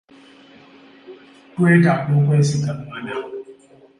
Twetaaga okwesigangana.